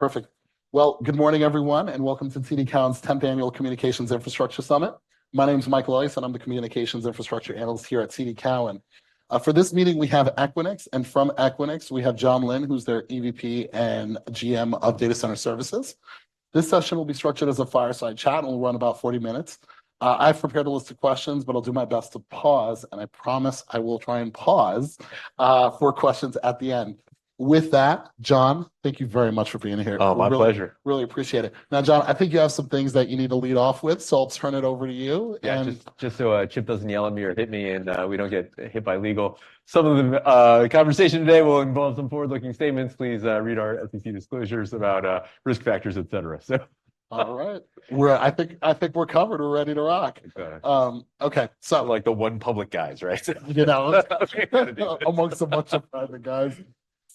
Perfect. Well, good morning, everyone, and welcome to TD Cowen's 10th Annual Communications Infrastructure Summit. My name's Michael Elias, and I'm the communications infrastructure analyst here at TD Cowen. For this meeting, we have Equinix, and from Equinix, we have Jon Lin, who's their EVP and GM of Data Center Services. This session will be structured as a fireside chat, and we'll run about 40 minutes. I've prepared a list of questions, but I'll do my best to pause, and I promise I will try and pause for questions at the end. With that, Jon, thank you very much for being here. Oh, my pleasure. Really appreciate it. Now, Jon, I think you have some things that you need to lead off with, so I'll turn it over to you. Yeah, just so Chip doesn't yell at me or hit me, and we don't get hit by legal, some of the conversation today will involve some forward-looking statements. Please read our SEC disclosures about risk factors, et cetera All right. Well, I think, I think we're covered. We're ready to rock. Okay. Okay, so Like the one public guys, right? you know. Among a bunch of private guys.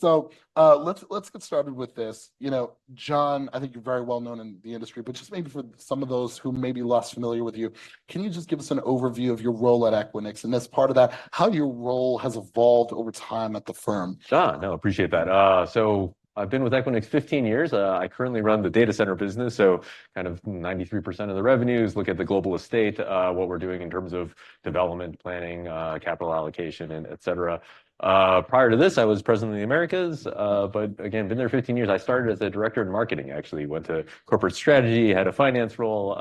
Let's get started with this. You know, Jon, I think you're very well known in the industry, but just maybe for some of those who may be less familiar with you, can you just give us an overview of your role at Equinix, and as part of that, how your role has evolved over time at the firm? Sure. No, appreciate that. So I've been with Equinix 15 years. I currently run the data center business, so kind of 93% of the revenues, look at the global estate, what we're doing in terms of development, planning, capital allocation, and et cetera. Prior to this, I was president of the Americas, but again, been there 15 years. I started as a director in marketing, actually. Went to corporate strategy, had a finance role,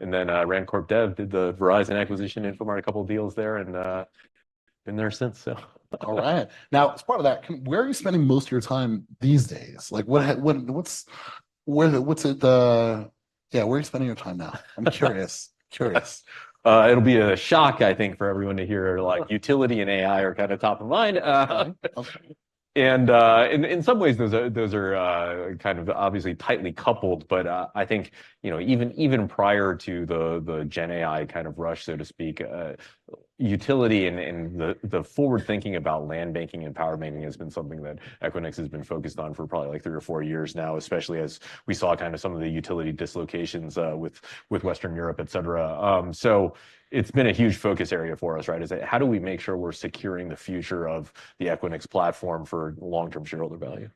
and then, ran corp dev, did the Verizon acquisition, Infomart, a couple deals there, and, been there since, so All right. Now, as part of that, where are you spending most of your time these days? Like, yeah, where are you spending your time now? I'm curious. Curious. It'll be a shock, I think, for everyone to hear, like, utility and AI are kind of top of mind. Okay. In some ways, those are kind of obviously tightly coupled, but I think, you know, even prior to the GenAI kind of rush, so to speak, utility and the forward thinking about land banking and power banking has been something that Equinix has been focused on for probably, like, three or four years now, especially as we saw kind of some of the utility dislocations with Western Europe, et cetera. So it's been a huge focus area for us, right? [The question] is how do we make sure we're securing the future of the Equinix platform for long-term shareholder value?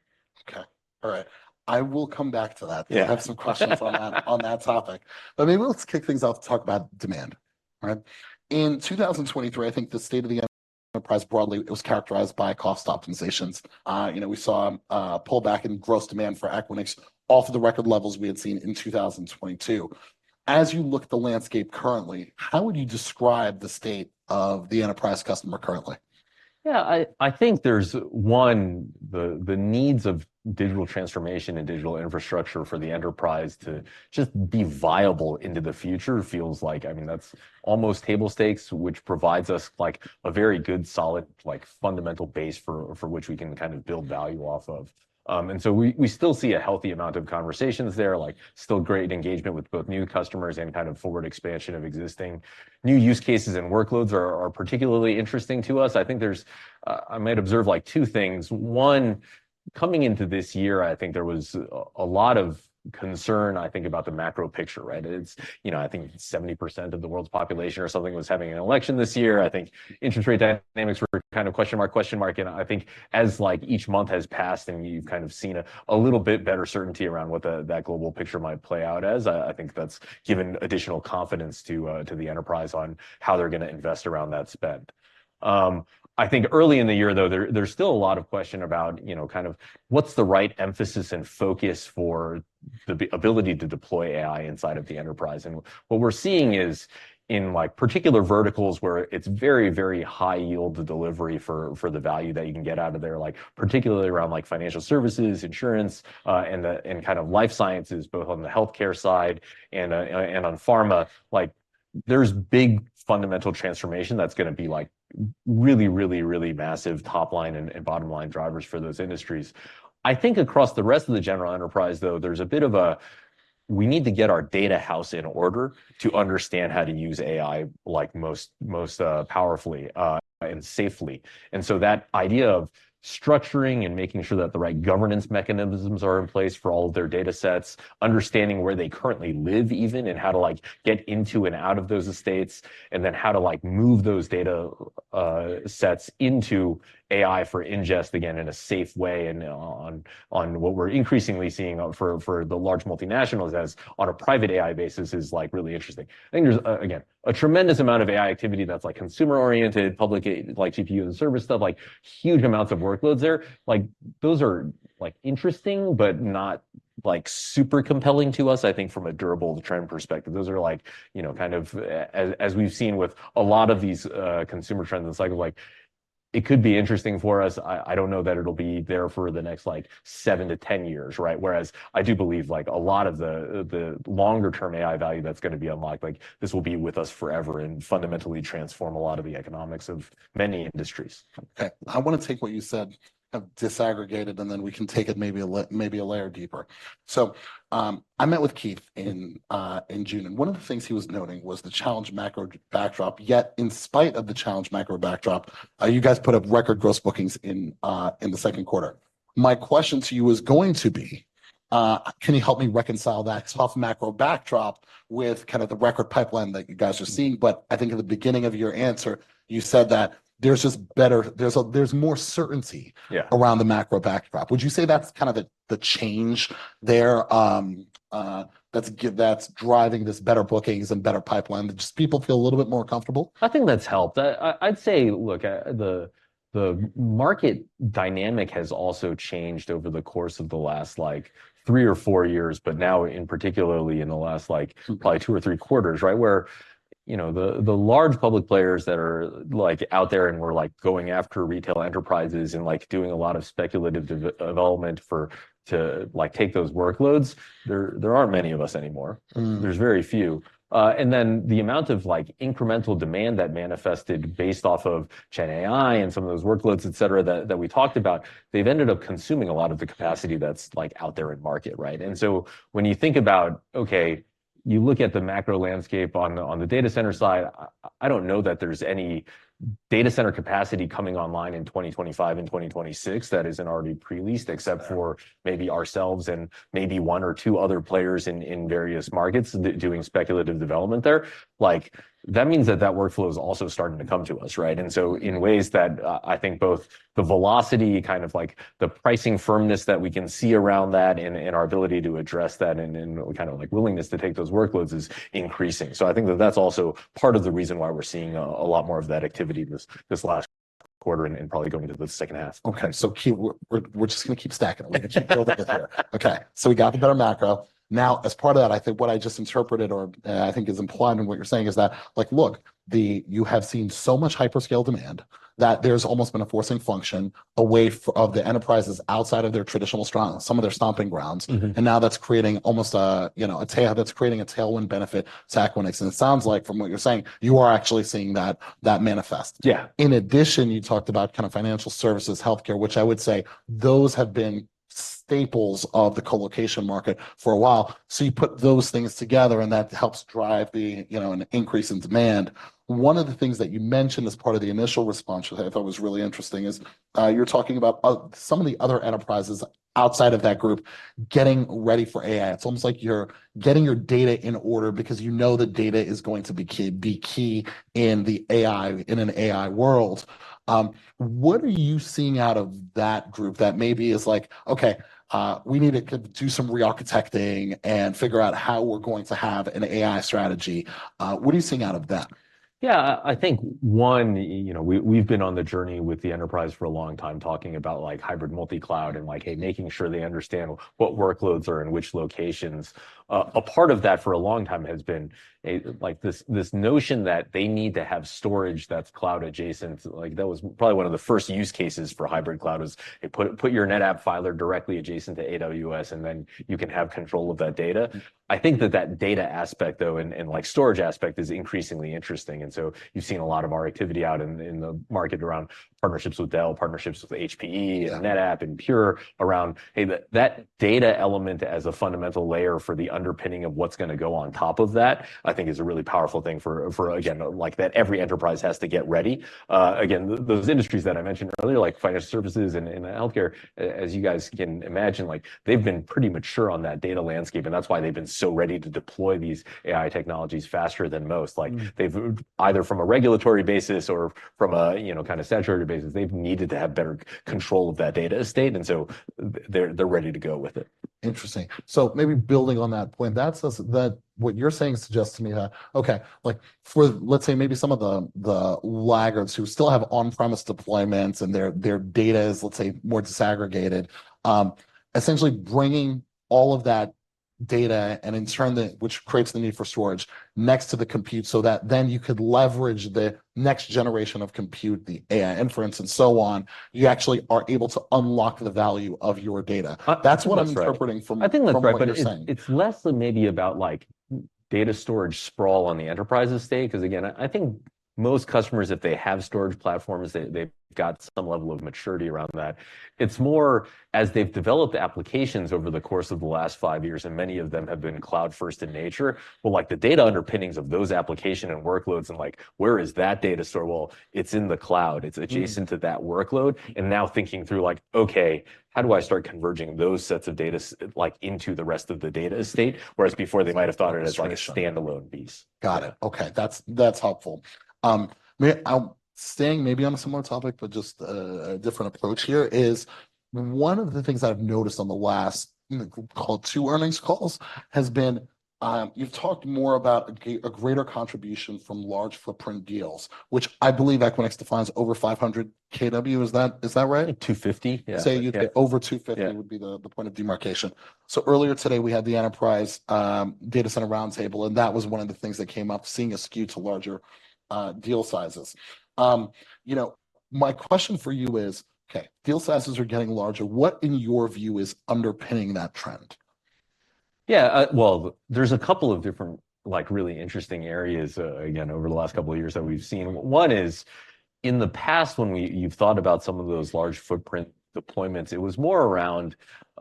Okay. All right. I will come back to that. Yeah. I have some questions on that, on that topic. But maybe let's kick things off to talk about demand, right? In 2023, I think the state of the enterprise, broadly, it was characterized by cost optimizations. You know, we saw a pullback in gross demand for Equinix off of the record levels we had seen in 2022. As you look at the landscape currently, how would you describe the state of the enterprise customer currently? Yeah, I think there's the needs of digital transformation and digital infrastructure for the enterprise to just be viable into the future feels like, I mean, that's almost table stakes, which provides us, like, a very good, solid, like, fundamental base for which we can kind of build value off of. And so we still see a healthy amount of conversations there, like, still great engagement with both new customers and kind of forward expansion of existing. New use cases and workloads are particularly interesting to us. I think there's I might observe, like, two things. One, coming into this year, I think there was a lot of concern, I think, about the macro picture, right? It's, you know, I think 70% of the world's population or something was having an election this year. I think interest rate dynamics were kind of question mark, question mark, and I think as, like, each month has passed and you've kind of seen a, a little bit better certainty around what that global picture might play out as, I think that's given additional confidence to, to the enterprise on how they're gonna invest around that spend. I think early in the year, though, there, there's still a lot of question about, you know, kind of what's the right emphasis and focus for the ability to deploy AI inside of the enterprise? What we're seeing is, in, like, particular verticals where it's very, very high yield to delivery for, for the value that you can get out of there, like, particularly around, like, financial services, insurance, and the, and kind of life sciences, both on the healthcare side and, and on pharma. Like, there's big fundamental transformation that's gonna be, like, really, really, really massive top-line and, and bottom-line drivers for those industries. I think across the rest of the general enterprise, though, there's a bit of a, "We need to get our data house in order to understand how to use AI, like, most, most, powerfully, and safely." And so that idea of structuring and making sure that the right governance mechanisms are in place for all of their data sets, understanding where they currently live even, and how to, like, get into and out of those estates, and then how to, like, move those data, sets into AI for ingest, again, in a safe way, and, on, on what we're increasingly seeing, for, for the large multinationals as on a private AI basis, is, like, really interesting. I think there's, again, a tremendous amount of AI activity that's, like, consumer-oriented, public-a, like, GPU and service stuff, like, huge amounts of workloads there. Like, those are, like, interesting, but not, like, super compelling to us, I think from a durable trend perspective. Those are, like, you know, kind of as, as we've seen with a lot of these, consumer trends and cycles, like, it could be interesting for us. I don't know that it'll be there for the next, like, 7-10 years, right? Whereas I do believe, like, a lot of the longer-term AI value that's gonna be unlocked, like, this will be with us forever and fundamentally transform a lot of the economics of many industries. Okay, I wanna take what you said, kind of disaggregate it, and then we can take it maybe a layer deeper. So, I met with Keith in June, and one of the things he was noting was the challenged macro backdrop, yet in spite of the challenged macro backdrop, you guys put up record gross bookings in the second quarter. My question to you was going to be, can you help me reconcile that tough macro backdrop with kind of the record pipeline that you guys are seeing? But I think at the beginning of your answer, you said that there's just better, there's more certainty- Yeah... around the macro backdrop. Would you say that's kind of the change there, that's driving this better bookings and better pipeline, that just people feel a little bit more comfortable? I think that's helped. I'd say, look, the market dynamic has also changed over the course of the last, like, three or four years, but now, in particular, in the last, like- Mm... probably two or three quarters, right, you know, the large public players that are, like, out there and were, like, going after retail enterprises and, like, doing a lot of speculative development to, like, take those workloads. There aren't many of us anymore. Mm. There's very few. And then the amount of, like, incremental demand that manifested based off of GenAI and some of those workloads, et cetera, that we talked about, they've ended up consuming a lot of the capacity that's, like, out there in market, right? Mm. So when you think about, okay, you look at the macro landscape on the data center side, I don't know that there's any data center capacity coming online in 2025 and 2026 that isn't already pre-leased. Yeah. Except for maybe ourselves and maybe one or two other players in various markets doing speculative development there. Like, that means that that workflow is also starting to come to us, right? And so in ways that, I think both the velocity, kind of like the pricing firmness that we can see around that, and our ability to address that, and kind of like willingness to take those workloads is increasing. So I think that that's also part of the reason why we're seeing a lot more of that activity this last quarter, and probably going into the second half. Okay, so keep. We're, we're just gonna keep stacking it. We're gonna keep building it here. Okay, so we got the better macro. Now, as part of that, I think what I just interpreted, or I think is implied in what you're saying, is that, like, look, you have seen so much hyperscale demand, that there's almost been a forcing function away of the enterprises outside of their traditional strong, some of their stomping grounds. Mm-hmm. And now that's creating almost a, you know, tailwind benefit to Equinix. And it sounds like from what you're saying, you are actually seeing that manifest. Yeah. In addition, you talked about kind of financial services, healthcare, which I would say those have been staples of the colocation market for a while. So you put those things together, and that helps drive the, you know, an increase in demand. One of the things that you mentioned as part of the initial response, which I thought was really interesting, is, you're talking about some of the other enterprises outside of that group getting ready for AI. It's almost like you're getting your data in order because you know the data is going to be key, be key in the AI, in an AI world. What are you seeing out of that group that maybe is like: "Okay, we need to do some re-architecting and figure out how we're going to have an AI strategy"? What are you seeing out of that? Yeah, I think, you know, we've been on the journey with the enterprise for a long time, talking about, like, hybrid multi-cloud and, like, hey, making sure they understand what workloads are in which locations. A part of that for a long time has been, like, this notion that they need to have storage that's cloud adjacent. Like, that was probably one of the first use cases for hybrid cloud, was, hey, put your NetApp filer directly adjacent to AWS, and then you can have control of that data. Mm. I think that data aspect, though, and like, storage aspect is increasingly interesting, and so you've seen a lot of our activity out in the market around partnerships with Dell, partnerships with HPE Yeah. and NetApp, and Pure around, hey, that data element as a fundamental layer for the underpinning of what's gonna. go on top of that, I think is a really powerful thing for, for again, like, that every enterprise has to get ready. Again, those industries that I mentioned earlier, like financial services and healthcare, as you guys can imagine, like, they've been pretty mature on that data landscape, and that's why they've been so ready to deploy these AI technologies faster than most. Mm. Like, they've... Either from a regulatory basis or from a, you know, kind of statutory basis, they've needed to have better control of that data estate, and so they're, they're ready to go with it. Interesting. So maybe building on that point, that. What you're saying suggests to me that, okay, like, for let's say maybe some of the laggards who still have on-premise deployments, and their data is, let's say, more disaggregated, essentially bringing all of that data, and in turn, which creates the need for storage next to the compute, so that then you could leverage the next generation of compute, the AI inference, and so on, you actually are able to unlock the value of your data. That's right. That's what I'm interpreting from I think that's right. from what you're saying. But it's less than maybe about, like, data storage sprawl on the enterprise estate. 'Cause again, I think most customers, if they have storage platforms, they've got some level of maturity around that. It's more as they've developed the applications over the course of the last five years, and many of them have been cloud-first in nature, but, like, the data underpinnings of those application and workloads and, like, where is that data stored? Well, it's in the cloud. Mm. It's adjacent to that workload. Yeah. And now thinking through like: Okay, how do I start converging those sets of data like, into the rest of the data estate? Whereas before, they might have thought it That's right. as, like, a standalone piece. Got it, okay. That's, that's helpful. Maybe staying maybe on a similar topic, but just a different approach here, is one of the things I've noticed on the last, you know, call, two earnings calls, has been, you'vetalked more about a greater contribution from large footprint deals, which I believe Equinix defines over 500 kW. Is that, is that right? 250, yeah. Say you... Over 250- Yeah.... would be the point of demarcation. So earlier today, we had the enterprise data center roundtable, and that was one of the things that came up, seeing a skew to larger deal sizes. You know, my question for you is: Okay, deal sizes are getting larger. What, in your view, is underpinning that trend? Yeah, well, here's a couple of different, like, really interesting areas, again, over the last couple of years that we've seen. One is, in the past, when you've thought about some of those large footprint deployments, it was more around,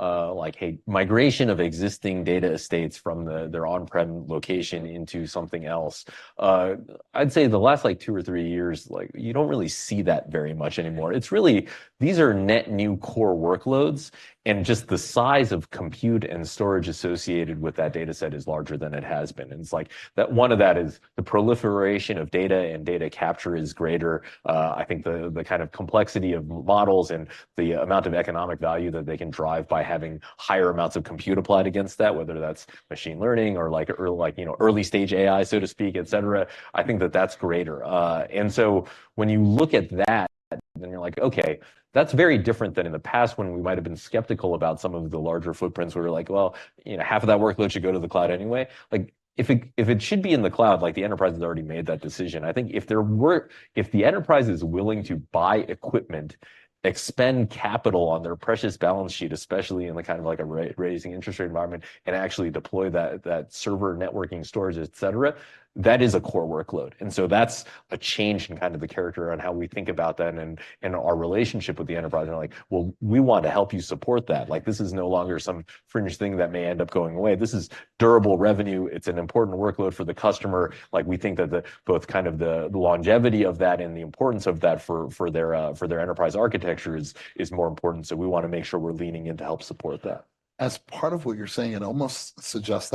like, hey, migration of existing data estates from their on-prem location into something else. I'd say the last, like, two or three years, like, you don't really see that very much anymore. It's really, these are net new core workloads, and just the size of compute and storage associated with that data set is larger than it has been. And it's like, that, one of that is the proliferation of data and data capture is greater. I think the kind of complexity of models and the amount of economic value that they can drive by having higher amounts of compute applied against that, whether that's machine learning or like, you know, early-stage AI, so to speak, et cetera, I think that's greater. And so when you look at that, then you're like: Okay, that's very different than in the past when we might have been skeptical about some of the larger footprints. We were like: Well, you know, half of that workload should go to the cloud anyway. Like, if it should be in the cloud, like, the enterprise has already made that decision. I think if there were, If the enterprise is willing to buy equipment, expend capital on their precious balance sheet, especially in the kind of like a raising interest rate environment, and actually deploy that, that server networking storage, et cetera, that is a core workload. And so that's a change in kind of the character on how we think about that and our relationship with the enterprise. And like, "Well, we want to help you support that." Like, this is no longer some fringe thing that may end up going away. This is durable revenue. It's an important workload for the customer. Like, we think that both kind of the longevity of that and the importanc of that for their enterprise architecture is more important, so we wanna make sure we're leaning in to help support that. As part of what you're saying, it almost suggests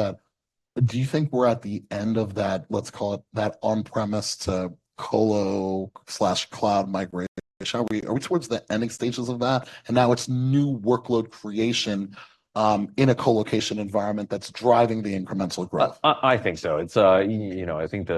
that... Do you think we're at the end of that, let's call it, that on-premise to colo/cloud migration? Are we, are we towards the ending stages of that, and now it's new workload creation in a colocation environment that's driving the incremental growth? I think so. It's, you know, I think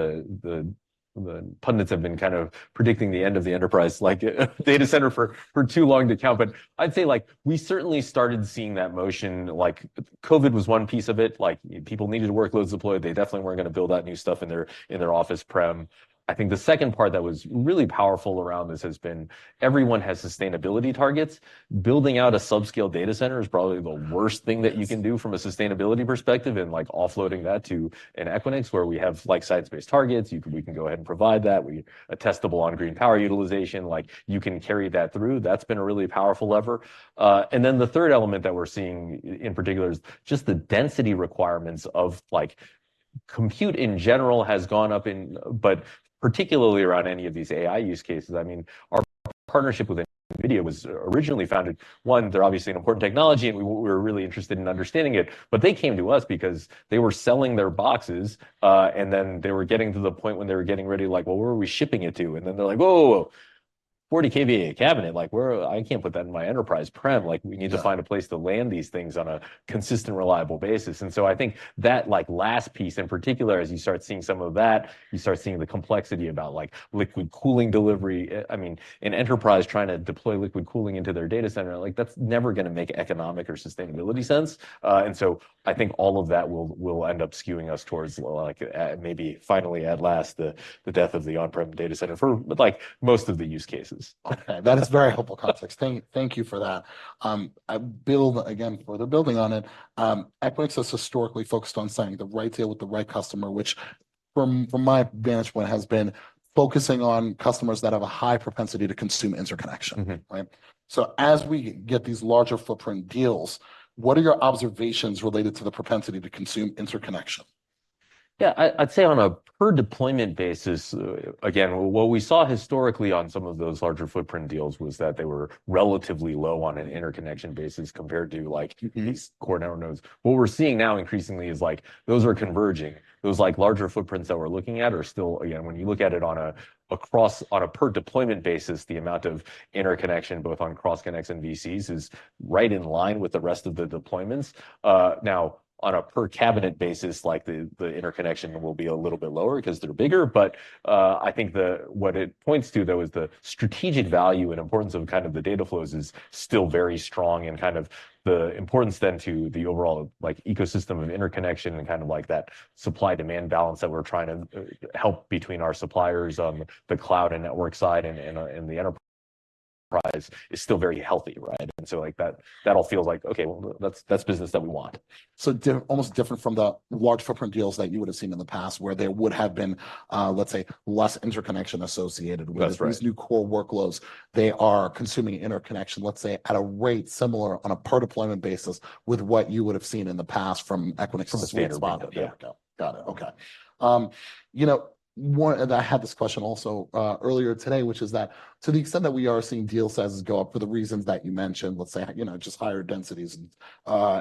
the pundits have been kind of predicting the end of the enterprise, like data center for too long to count. But I'd say, like, we certainly started seeing that motion. Like, COVID was one piece of it, like, people needed workloads deployed. They definitely weren't gonna build out new stuff in their office prem. I think the second part that was really powerful around this has been everyone has sustainability targets. Building out a sub-scale data center is probably the worst thing that you can do from a sustainability perspective, and, like, offloading that to an Equinix, where we have, like, science-based targets. We can go ahead and provide that. Attestable on green power utilization, like, you can carry that through. That's been a really powerful lever. And then the third element that we're seeing in particular is just the density requirements of, like, compute in general has gone up, but particularly around any of these AI use cases. I mean, our partnership with NVIDIA was originally founded. One, they're obviously an important technology, and we, we're really interested in understanding it. But they came to us because they were selling their boxes, and then they were getting to the point when they were getting ready, like: "Well, where are we shipping it to?" And then they're like: "Whoa, whoa, whoa. 40 kVA a cabinet, like, where... I can't put that in my enterprise premise. Yeah. Like, we need to find a place to land these things on a consistent, reliable basis." And so I think that, like, last piece, in particular, as you start seeing some of that, you start seeing the complexity about, like, liquid cooling delivery. I mean, an enterprise trying to deploy liquid cooling into their data center, like, that's never gonna make economic or sustainability sense. And so I think all of that will, will end up skewing us towards, like, maybe finally, at last, the, the death of the on-prem data center for, like, most of the use cases. Okay, that is very helpful context. Thank you for that. Again, further building on it, Equinix has historically focused on signing the right deal with the right customer, which from my vantage point, has been focusing on customers that have a high propensity to consume interconnection. Mm-hmm. Right? So as we get these larger footprint deals, what are your observations related to the propensity to consume interconnection? Yeah, I'd say on a per deployment basis, again, what we saw historically on some of those larger footprint deals was that they were relatively low on an interconnection basis compared to, like Mm-hmm. these core network nodes. What we're seeing now, increasingly, is, like, those are converging. Those, like, larger footprints that we're looking at are still... Again, when you look at it across, on a per deployment basis, the amount of interconnection, both on cross-connects and VCs, is right in line with the rest of the deployments. Now, on a per cabinet basis, like, the interconnection will be a little bit lower 'cause they're bigger. But, I think what it points to, though, is the strategic value and importance of kind of the data flows is still very strong. And kind of the importance, then, to the overall, like, ecosystem of interconnection and kind of, like, that supply-demand balance that we're trying to help between our suppliers on the cloud and network side and the enterprise is still very healthy, right? And so, like, that, that all feels like: "Okay, well, that's, that's business that we want. So almost different from the large footprint deals that you would have seen in the past, where there would have been, let's say, less interconnection associated with That's right. these new core workloads, they are consuming interconnection, let's say, at a rate similar on a per deployment basis with what you would have seen in the past from Equinix From a standard perspective. Yeah. Got it. Okay. You know, I had this question also earlier today, which is that to the extent that we are seeing dea sizes go up for the reasons that you mentioned, let's say, you know, just higher densities and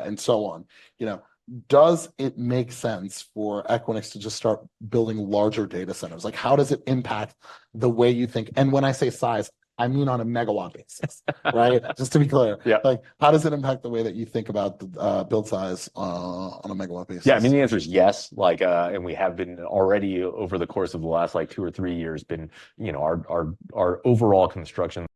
and so on, you know, does it make sense for Equinix to just start building larger data centers? Like, howdoes it impact the way you think? And when I say size, I mean on a megawatt basis. Right? Just to be clear. Yeah. Like, how does it impact the way that you think about build size on a megawatt basis? Yeah, I mean, the answer is yes. Like, and we have been already, over the course of the last, like, 2 or 3 years, been, you know, our overall construction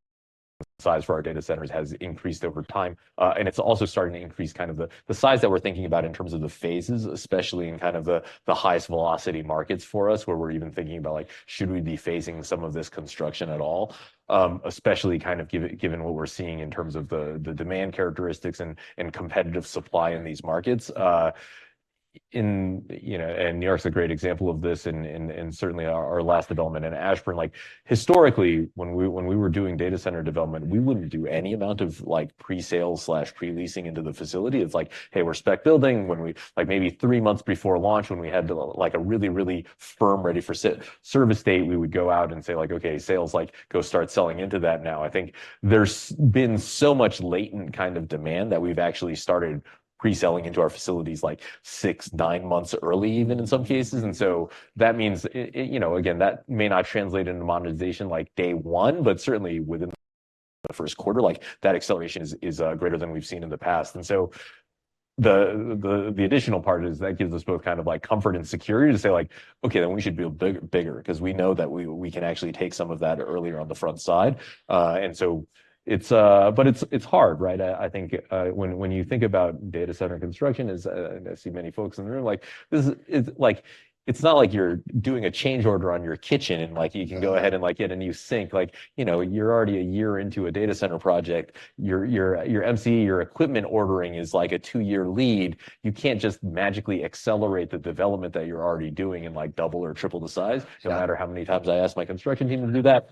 size for our data centers has increased over time. And it's also starting to increase kind of the size that we're thinking about in terms of the phases, especially in kind of the highest velocity markets for us, where we're even thinking about, like: "Should we be phasing some of this construction at all?" Especially kind of given what we're seeing in terms of the demand characteristics and competitive supply in these markets. In... You know, and New York's a great example of this, and certainly our last development in Ashburn. Like, historically, when we were doing data center development, we wouldn't do any amount of, like, pre-sale/pre-leasing into the facility. It's like: "Hey, we're spec building." When we, like, maybe three months before launch, when we had, like, a really, really firm ready-for-service date, we would go out and say like: "Okay, sales, like, go start selling into that now." I think there's been so much latent kind of demand, that we've actually started pre-selling into our facilities, like, six, nine months early even in some cases. And so that means, you know, again, that may not translate into monetization, like, day one, but certainly within the first quarter, like, that acceleration is greater than we've seen in the past. And so the additional part is that gives us both kind of, like, comfort and security to say, like: "Okay, then we should build big- bigger," 'cause we know that we can actually take some of that earlier on the front side. And so it's... But it's hard, right? I think when you think about data center construction, as and I see many folks in the room, like, this is, like, it's not like you're doing a change order on your kitchen, and, like, you can go ahead and, like, get a new sink. Like, you know, you're already a year into a data center project. Your MC, your equipment ordering is, like, a 2-year lead. You can't just magically accelerate the development that you're already doing and, like, double or triple the size Yeah. no matter how many times I ask my construction team to do that.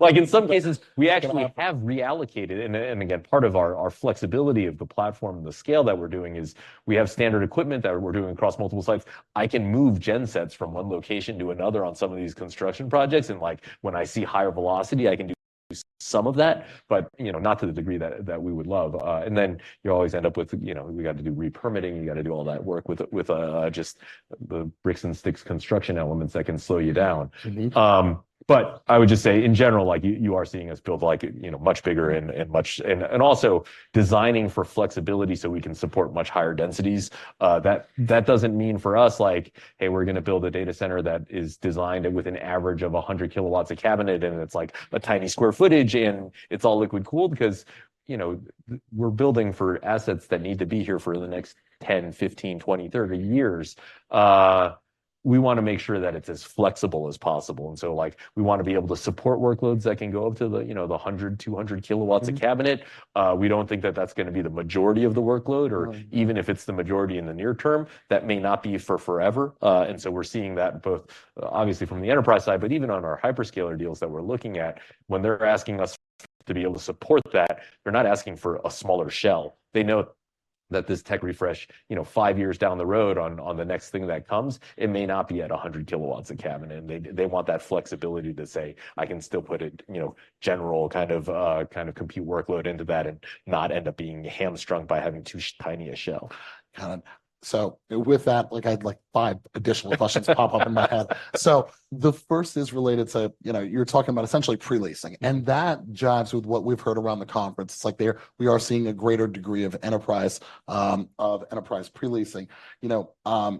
Like, in some cases, we actually have reallocated... And again, part of our flexibility of the platform and the scale that we're doing is we have standard equipment that we're doing across multiple sites. I can move gensets from one location to another on some of these construction projects, and, like, when I see higher velocity, I can do some of that, but, you know, not to the degree that we would love. And then you always end up with, you know, we got to do re-permitting, you got to do all that work with just the bricks and sticks construction elements that can slow you down. Mm-hmm. But I would just say in general, like, you are seeing us build, like, you know, much bigger and much... and also designing for flexibility so we can support much higher densities. That doesn't mean for us, like, "Hey, we're going to build a data center that is designed with an average of 100 kW a cabinet, and it's, like, a tiny square footage, and it's all liquid-cooled," because, you know, we're building for assets that need to be here for the next 10, 15, 20, 30 years. We want to make sure that it's as flexible as possible, and so, like, we want to be able to support workloads that can go up to the, you know, the 100, 200 kW a cabinet. Mm. We don't think that that's going to be the majority of the workload Mm or even if it's the majority in the near term, that may not be for forever. And so we're seeing that both, obviously from the enterprise side, but even on our hyperscaler deals that we're looking at, when they're asking us to be able to support that, they're not asking for a smaller shell. They know that this tech refresh, you know, five years down the road on the next thing that comes, it may not be at 100 kW a cabinet, and they want that flexibility to say, "I can still put it," you know, general kind of compute workload into that and not end up being hamstrung by having too tiny a shell. Got it. So with that, like, I had, like, five additional questions pop up in my head. So the first is related to, you know, you're talking about essentially pre-leasing, and that jives with what we've heard around the conference. It's like there, we are seeing a greater degree of enterprise of enterprise pre-leasing. You know,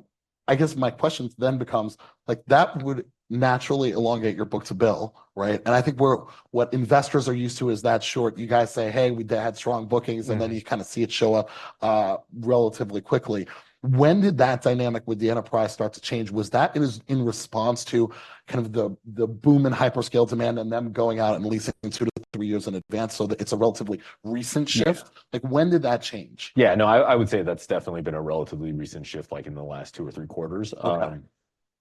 I guess my question then becomes, like, that would naturally elongate your book-to-bill, right? And I think we're what investors are used to is that short, you guys say, "Hey, we had strong bookings Mm. and then you kind of see it show up relatively quickly. When did that dynamic with the enterprise start to change? Was that in response to kind of the boom in hyperscale demand and them going out and leasing 2-3 years in advance, so it's a relatively recent shift? Yeah. Like, when did that change? Yeah, no, I, I would say that's definitely been a relatively recent shift, like, in the last 2 or 3 quarters. Okay.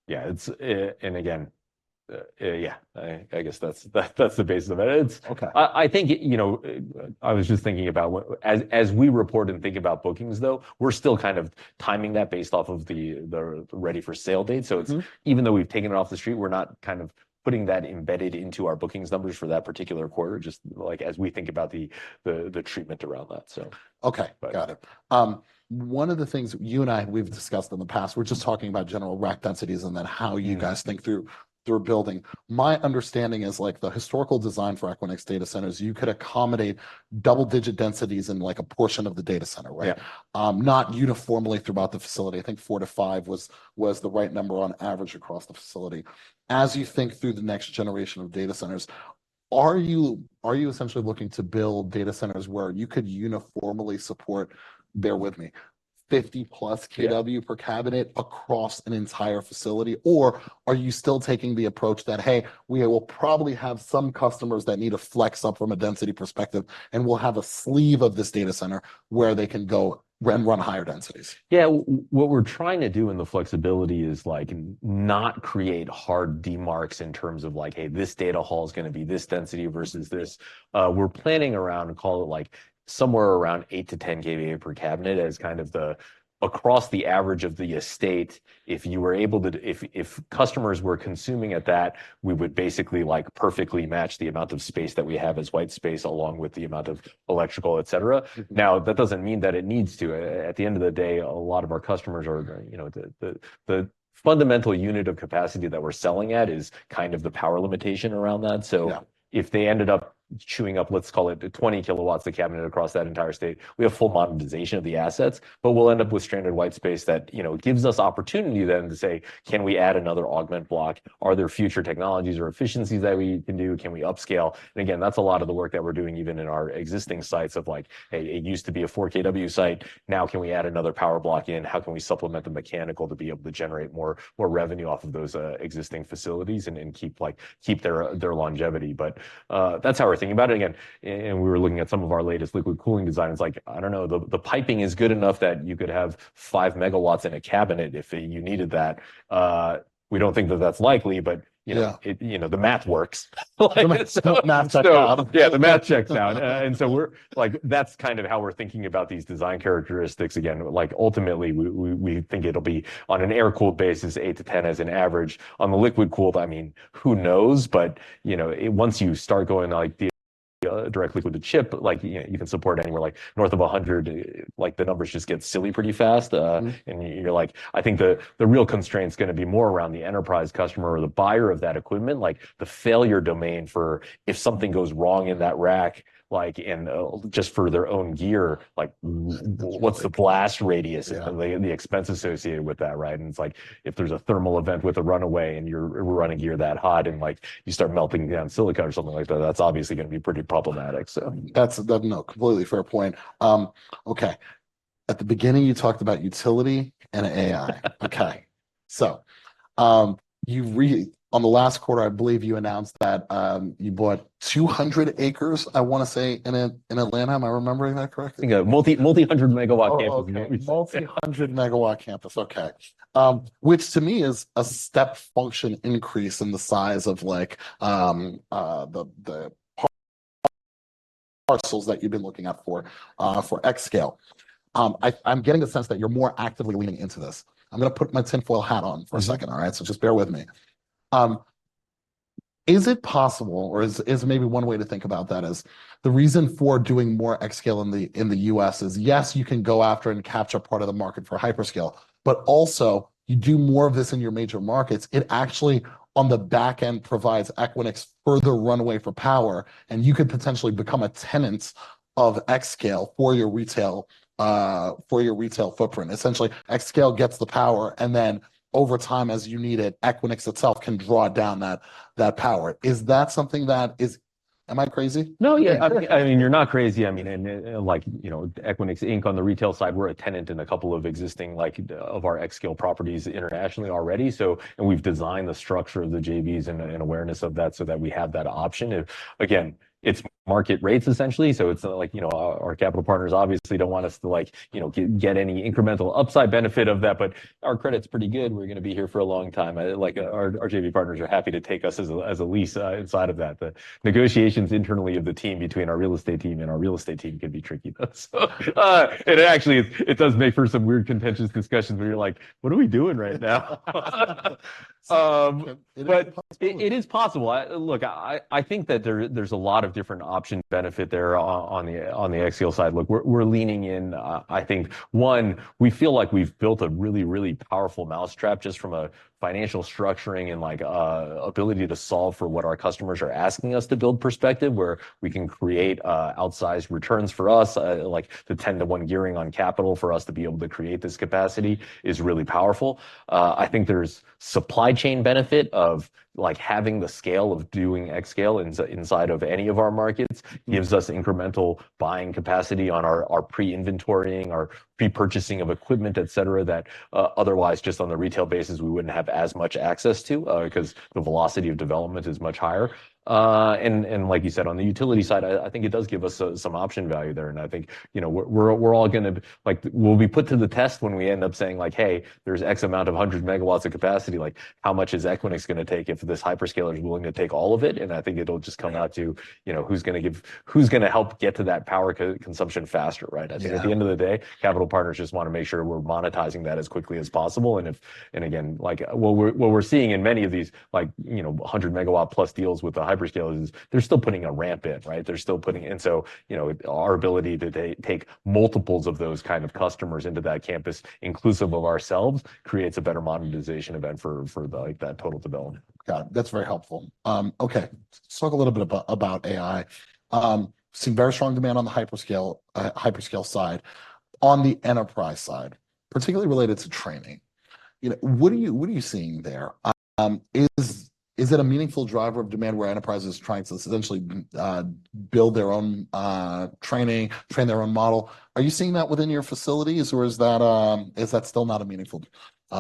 Yeah, it's, and again, yeah, I guess that's the basis of it. Okay. I think, you know, I was just thinking about what... As we report and think about bookings, though, we're still kind of timing that based off of the ready-for-sale date. Mm-hmm. So it's even though we've taken it off the street, we're not kind of putting that embedded into our bookings numbers for that particular quarter, just like as we think about the treatment around that, so. Okay. But- Got it. One of the things you and I, we've discussed in the past, we're just talking about general rack densities and then how Mm you guys think through building. My understanding is, like, the historical design for Equinix data centers, you could accommodate double-digit densities in, like, a portion of the data center, right? Yeah. Not uniformly throughout the facility. I think 4-5 was the right number on average across the facility. As you think through the next generation of data centers, are you essentially looking to build data centers where you could uniformly support, bear with me, 50 kW+ Yeah. per cabinet across an entire facility? Or are you still taking the approach that, "Hey, we will probably have some customers that need a flex up from a density perspective, and we'll have a sleeve of this data center where they can go and run higher densities? Yeah. What we're trying to do in the flexibility is, like, not create hard demarks in terms of like, "Hey, this data hall is going to be this density versus this." We're planning around, call it, like, somewhere around 8-10 kVA per cabinet as kind of the across the average of the estate. If customers were consuming at that, we would basically, like, perfectly match the amount of space that we have as white space, along with the amount of electrical, et cetera. Mm. Now, that doesn't mean that it needs to. At the end of the day, a lot of our customers are, you know, the fundamental unit of capacity that we're selling at is kind of the power limitation around that. Yeah. So if they ended up chewing up, let's call it 20 kW a cabinet across that entire state, we have full modernization of the assets, but we'll end up with stranded white space that, you know, gives us opportunity then to say, "Can we add another augment block? Are there future technologies or efficiencies that we can do? Can we upscale?" And again, that's a lot of the work that we're doing even in our existing sites of, like, "Hey, it used to be a 4 kW site, now can we add another power block in? How can we supplement the mechanical to be able to generate more, more revenue off of those, existing facilities and, and keep, like, keep their, their longevity?" But, that's how we're thinking about it again. And we were looking at some of our latest liquid cooling designs. Like, I don't know, the piping is good enough that you could have 5 megawatts in a cabinet if you needed that. We don't think that that's likely, but Yeah. you know, you know, the math works. Like- The math checks out. So yeah, the math checks out. And so we're like, that's kind of how we're thinking about these design characteristics. Again, like, ultimately, we think it'll be, on an air-cooled basis, 8-10 as an average. On the liquid-cooled, I mean, who knows? But, you know, it once you start going, like, the directly with the chip, like, you know, you can support anywhere, like, north of 100. Like, the numbers just get silly pretty fast. Mm-hmm. And you're like, I think the real constraint's going to be more around the enterprise customer or the buyer of that equipment. Like, the failure domain for if something goes wrong in that rack, like, and just for their own gear, like Right. what's the blast radius Yeah. and the expense associated with that, right? And it's like, if there's a thermal event with a runaway and you're running gear that hot, and, like, you start melting down silicon or something like that, that's obviously going to be pretty problematic, so. That's that, no, completely fair point. Okay, at the beginning, you talked about utility and AI. Okay, so, on the last quarter, I believe you announced that, you bought 200 acres, I want to say, in Atlanta. Am I remembering that correctly? Yeah. Multi, multi-hundred megawatt campus. Oh, okay. Multi-hundred megawatt campus, okay. Which to me, is a step function increase in the size of, like, the parcels that you've been looking at for xScale. I'm getting the sense that you're more actively leaning into this. I'm gonna put my tinfoil hat on for a second, all right? Mm-hmm. So just bear with me. Is it possible, or is maybe one way to think about that is the reason for doing more xScale in the U.S. is, yes, you can go after and capture part of the market for hyperscale, but also, you do more of this in your major markets, it actually, on the back end, provides Equinix further runway for power, and you could potentially become a tenant of xScale for your retail, for your retail footprint. Essentially, xScale gets the power, and then over time, as you need it, Equinix itself can draw down that power. Is that something that is... Am I crazy? No, yeah, I mean, you're not crazy. I mean, and, like, you know, Equinix Inc., on the retail side, we're a tenant in a couple of existing, like, of our xScale properties internationally already, so... And we've designed the structure of the JVs and awareness of that so that we have that option. If, again, it's market rates, essentially, so it's not like, you know, our capital partners obviously don't want us to, like, you know, get any incremental upside benefit of that, but our credit's pretty good. We're gonna be here for a long time. Like, our JV partners are happy to take us as a lease inside of that. The negotiations internally of the team between our real estate team and our real estate team can be tricky, though. It actually does make for some weird contentious discussions where you're like: "What are we doing right now? It is possible. But it is possible. Look, I think that there's a lot of different option benefit there on the xScale side. Look, we're leaning in. I think, one, we feel like we've built a really, really powerful mousetrap, just from a financial structuring and, like, ability to solve for what our customers are asking us to build perspective, where we can create outsized returns for us. Like, the 10-to-1 gearing on capital for us to be able to create this capacity is really powerful. I think there's supply chain benefit of, like, having the scale of doing xScale inside of any of our markets- Mm. gives us incremental buying capacity on our, our pre-inventorying, our pre-purchasing of equipment, et cetera, that, otherwise, just on the retail basis, we wouldn't have as much access to, because the velocity of development is much higher. And, and like you said, on the utility side, I, I think it does give us some, some option value there, and I think, you know, we're, we're all gonna... Like, we'll be put to the test when we end up saying, like, "Hey, there's X amount of 100 megawatts of capacity." Like, how much is Equinix gonna take if this hyperscaler is willing to take all of it? And I think it'll just come down to, you know, who's gonna give- who's gonna help get to that power co- consumption faster, right? Yeah. I think at the end of the day, capital partners just wanna make sure we're monetizing that as quickly as possible, and again, like, what we're seeing in many of these, like, you know, 100-megawatt-plus deals with the hyperscalers is they're still putting a ramp in, right? And so, you know, our ability to take multiples of those kind of customers into that campus, inclusive of ourselves, creates a better monetization event for, like, that total development. Got it. That's very helpful. Okay, let's talk a little bit about AI. Seeing very strong demand on the hyperscale side, on the enterprise side, particularly related to training. You know, what are you seeing there? Is it a meaningful driver of demand where enterprise is trying to essentially build their own training, train their own model? Are you seeing that within your facilities, or is that still not a meaningful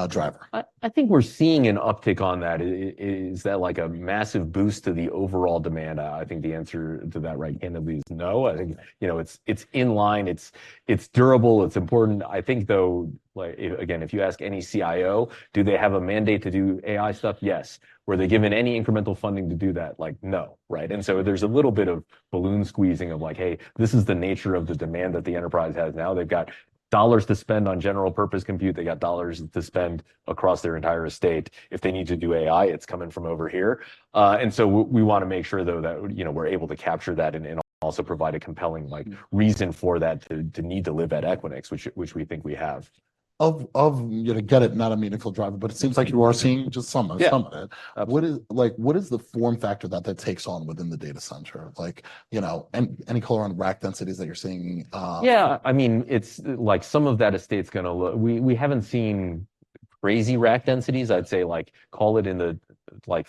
driver? I think we're seeing an uptick on that. Is that, like, a massive boost to the overall demand? I think the answer to that, right again, would be no. I think, you know, it's in line, it's durable, it's important. I think, though, like, you know, again, if you ask any CIO: Do they have a mandate to do AI stuff? Yes. Were they given any incremental funding to do that? Like, no, right? And so there's a little bit of balloon squeezing, of like, "Hey, this is the nature of the demand that the enterprise has now." They've got dollars to spend on general purpose compute. They got dollars to spend across their entire estate. If they need to do AI, it's coming from over here. And so we wanna make sure, though, that, you know, we're able to capture that and, and also provide a compelling, like- Mm... reason for that to need to live at Equinix, which we think we have. You know, get it, not a meaningful driver, but it seems like you are seeing just some of Yeah. some of it. Absolutely. What is, like, what is the form factor that that takes on within the data center? Like, you know, any, any color on rack densities that you're seeing, Yeah, I mean, it's like some of that estate's gonna look... We haven't seen crazy rack densities. I'd say, like, call it in the, like,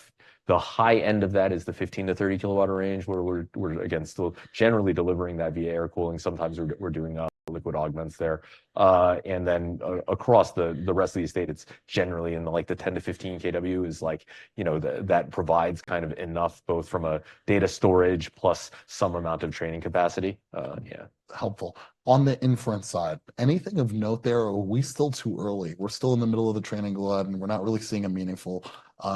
the high end of that is the 15 kW-30 kW range, where we're again still generally delivering that via air cooling. Sometimes we're doing liquid augments there. And then across the rest of the estate, it's generally in the, like, the 10 kW-15 kW. Like, you know, that provides kind of enough, both from a data storage plus some amount of training capacity. Yeah. Helpful. On the inference side, anything of note there, or are we still too early? We're still in the middle of the training glut, and we're not really seeing a meaningful,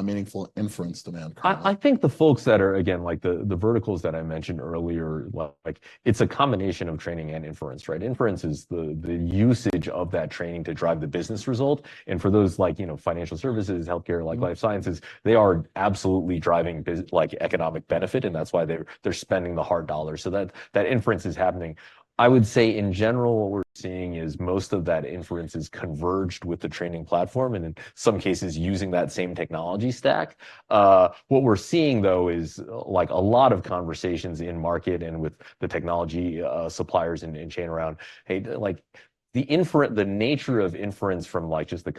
meaningful inference demand currently. I think the folks that are, again, like, the verticals that I mentioned earlier, like, it's a combination of training and inference, right? Inference is the usage of that training to drive the business result, and for those, like, you know, financial services, healthcare Mm. like, life sciences, they are absolutely driving business, like, economic benefit, and that's why they're spending the hard dollars. So that inference is happening. I would say, in general, what we're seeing is most of that inference is converged with the training platform, and in some cases, using that same technology stack. What we're seeing, though, is, like, a lot of conversations in market and with the technology suppliers in chain around, hey, like, the nature of inference from, like, just the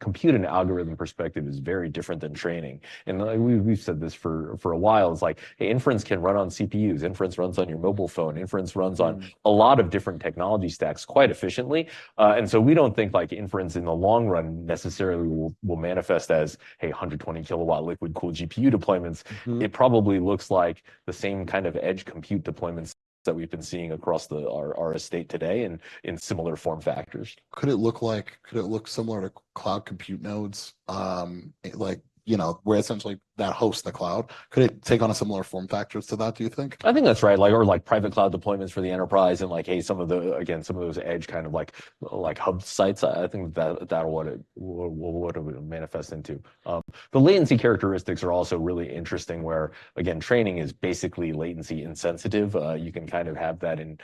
compute and algorithm perspective is very different than training. And, like, we've said this for a while, is like, hey, inference can run on CPUs. Inference runs on your mobile phone. Inference runs on Mm. a lot of different technology stacks quite efficiently. And so we don't think, like, inference in the long run necessarily will manifest as, hey, 120 kW liquid-cooled GPU deployments. Mm. It probably looks like the same kind of edge compute deployments that we've been seeing across our estate today, and in similar form factors. Could it look similar to cloud compute nodes? Like, you know, where essentially that hosts the cloud. Could it take on a similar form factors to that, do you think? I think that's right, like or like private cloud deployments for the enterprise, and like, hey, some of the, again, some of those edge, kind of like hub sites. I think that are what it would manifest into. The latency characteristics are also really interesting, where, again, training is basically latency insensitive. You can kind of have that in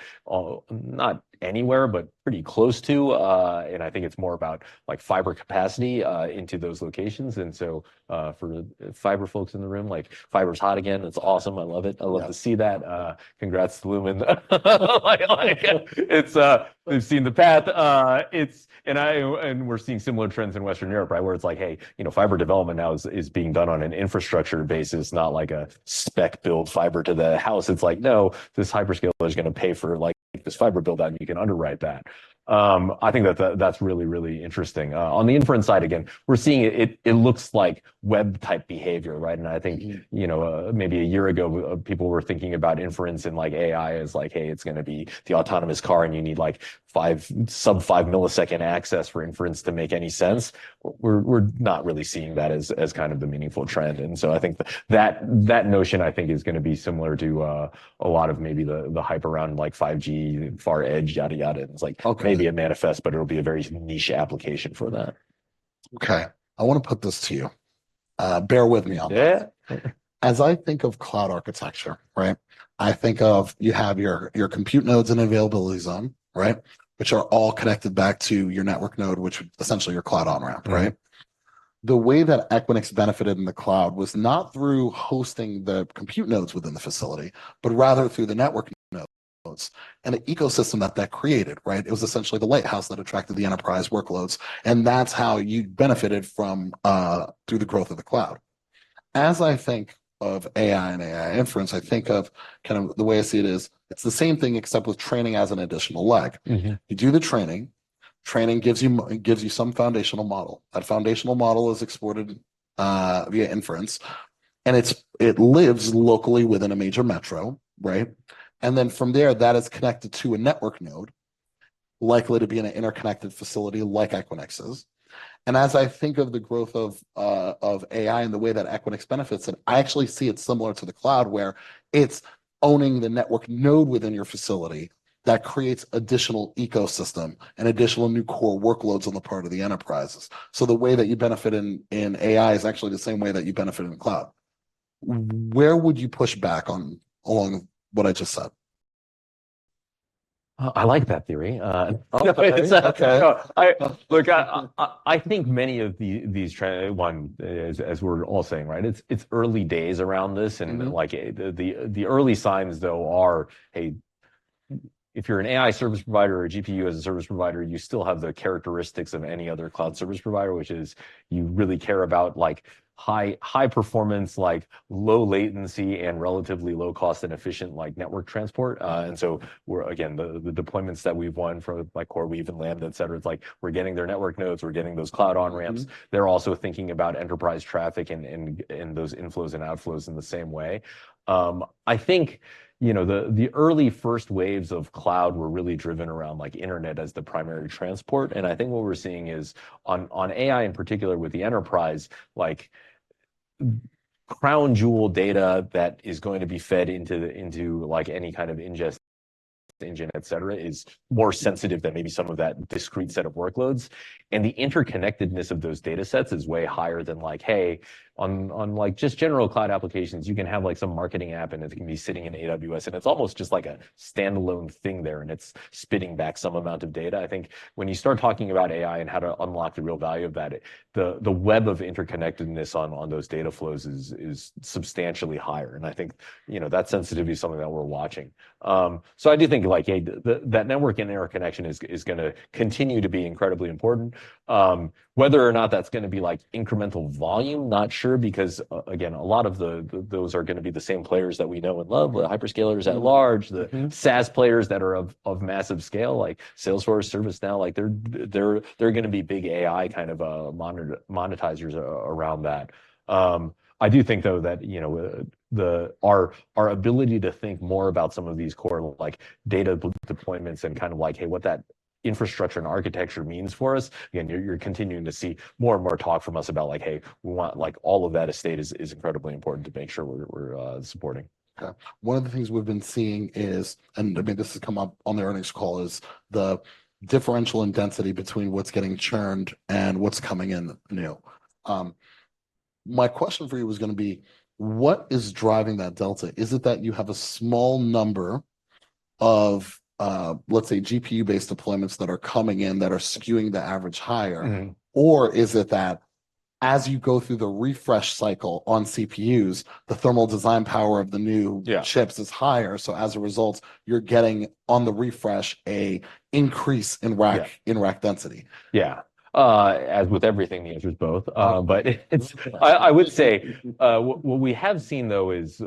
not anywhere, but pretty close to. And I think it's more about, like, fiber capacity into those locations. And so, for fiber folks in the room, like, fiber's hot again. It's awesome. I love it. Yeah. I love to see that. Congrats, Lumen. It's, we've seen the path. It's. And we're seeing similar trends in Western Europe, right? Where it's like, hey, you know, fiber development now is being done on an infrastructure basis, not like a spec-build fiber to the house. It's like, no, this hyperscaler is gonna pay for, like, this fiber build-out, and you can underwrite that. I think that that's really, really interesting. On the inference side, again, we're seeing it looks like web-type behavior, right? Mm. And I think, you know, maybe a year ago, people were thinking about inference and, like, AI as, like, hey, it's gonna be the autonomous car, and you need, like, five, sub-five millisecond access for inference to make any sense. We're, we're not really seeing that as, as kind of the meaningful trend, and so I think that, that notion, I think, is gonna be similar to, a lot of maybe the, the hype around, like, 5G, far edge, yada, yada. Okay. It's like maybe it manifests, but it'll be a very niche application for that.... Okay, I wanna put this to you. Bear with me on this. Yeah. As I think of cloud architecture, right, I think of you have your compute nodes and availability zone, right? Which are all connected back to your network node, which would, essentially, your cloud on-ramp, right? Mm-hmm. The way that Equinix benefited in the cloud was not through hosting the compute nodes within the facility, but rather through the networking nodes, and the ecosystem that that created, right? It was essentially the lighthouse that attracted the enterprise workloads, and that's how you benefited from, through the growth of the cloud. As I think of AI and AI inference, I think of, kind of, the way I see it is, it's the same thing except with training as an additional leg. Mm-hmm. You do the training. Training gives you some foundational model. That foundational model is exported via inference, and it lives locally within a major metro, right? And then from there, that is connected to a network node, likely to be in an interconnected facility like Equinix's. And as I think of the growth of AI and the way that Equinix benefits, and I actually see it similar to the cloud, where it's owning the network node within your facility that creates additional ecosystem and additional new core workloads on the part of the enterprises. So the way that you benefit in AI is actually the same way that you benefit in the cloud. Where would you push back on, along what I just said? I like that theory. Okay. Look, I think many of these trends, one, as we're all saying, right, it's early days around this Mm-hmm. and like, the early signs, though, are, hey, if you're an AI service provider or a GPU as a service provider, you still have the characteristics of any other cloud service provider, which is, you really care about, like, high performance, like, low latency, and relatively low cost and efficient, like, network transport. Mm-hmm. And so we're, again, the deployments that we've won from, like, CoreWeave and Lambda, et cetera. It's like we're getting their network nodes, we're getting those cloud on-ramps. Mm-hmm. They're also thinking about enterprise traffic and those inflows and outflows in the same way. I think, you know, the early first waves of cloud were really driven around, like, internet as the primary transport, and I think what we're seeing is, on AI in particular with the enterprise, like, crown jewel data that is going to be fed into the like any kind of ingest engine, et cetera, is more sensitive than maybe some of that discrete set of workloads. And the interconnectedness of those data sets is way higher than, like, hey, like, just general cloud applications, you can have, like, some marketing app, and it can be sitting in AWS, and it's almost just like a standalone thing there, and it's spitting back some amount of data. I think when you start talking about AI and how to unlock the real value of that, the web of interconnectedness on those data flows is substantially higher. And I think, you know, that sensitivity is something that we're watching. So I do think, like, yeah, that network and interconnection is gonna continue to be incredibly important. Whether or not that's gonna be, like, incremental volume, not sure, because, again, a lot of those are gonna be the same players that we know and love, the hyperscalers at large Mm-hmm, mm-hmm. the SaaS players that are of massive scale, like Salesforce, ServiceNow, like, they're gonna be big AI monetizers around that. I do think, though, that, you know, the... Our ability to think more about some of these core, like, data deployments and kind of like, hey, what that infrastructure and architecture means for us, again, you're continuing to see more and more talk from us about like, "Hey, we want..." Like, all of that estate is incredibly important to make sure we're supporting. Okay. One of the things we've been seeing is, and I mean, this has come up on the earnings call, is the differential in density between what's getting churned and what's coming in new. My question for you is gonna be: What is driving that delta? Is it that you have a small number of, let's say, GPU-based deployments that are coming in, that are skewing the average higher? Mm-hmm. Or is it that, as you go through the refresh cycle on CPUs, the thermal design power of the new Yeah. chips is higher, so as a result, you're getting, on the refresh, a increase in rack Yeah. in rack density? Yeah. As with everything, the answer is both. Mm-hmm. But its Uh I would say what we have seen, though, is,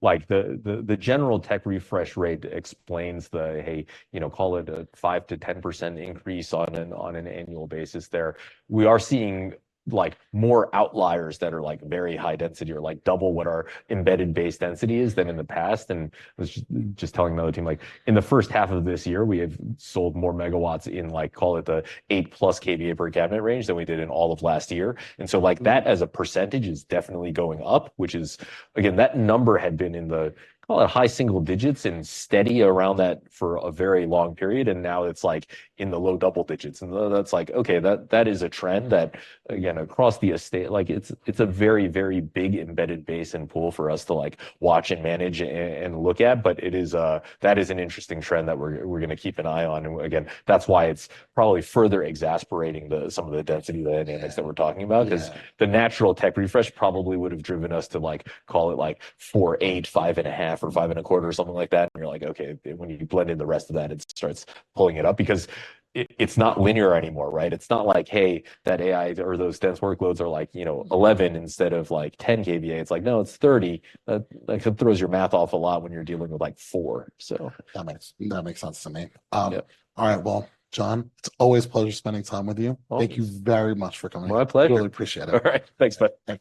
like, the general tech refresh rate explains the, hey, you know, call it a 5%-10% increase on an Mm-hmm. on an annual basis there. We are seeing, like, more outliers that are, like, very high density or, like, double what our embedded base density is than in the past. And I was just telling the other team, like, in the first half of this year, we have sold more megawatts in, like, call it the 8+ kVA per cabinet range than we did in all of last year. And so, like, that Mm. as a percentage, is definitely going up, which is, again, that number had been in the, call it, high single digits and steady around that for a very long period, and now it's, like, in the low double digits. And that's like, okay, that is a trend that, again, across the estate, like, it's, it's a very, very big embedded base and pool for us to, like, watch and manage and look at. But it is, that is an interesting trend that we're gonna keep an eye on. And again, that's why it's probably further exacerating some of the density dynamics that we're talking about. Yeah. 'Cause the natural tech refresh probably would've driven us to, like, call it, like, 4.8, 5.5, or 5.25, or something like that. And you're like, "Okay," when you blend in the rest of that, it starts pulling it up. Because it, it's not linear anymore, right? It's not like, hey, that AI or those dense workloads are like, you know Mm. 11 instead of, like, 10 KVA. It's like, no, it's 30. Like, it throws your math off a lot when you're dealing with, like, 4, so. That makes sense to me. Yeah. All right, well, Jon, it's always a pleasure spending time with you. Well Thank you very much for coming in. My pleasure. Really appreciate it. All right. Thanks, bud. Thank you.